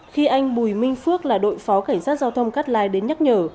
khi anh bùi minh phước là đội phó cảnh sát giao thông cắt lái đến nhắc nhở